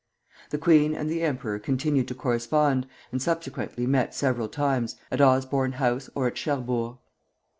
The queen and the emperor continued to correspond, and subsequently met several times, at Osborne House or at Cherbourg.